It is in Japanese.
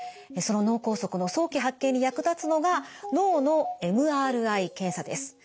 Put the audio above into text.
その脳梗塞の早期発見に役立つのが脳のＭＲＩ検査です。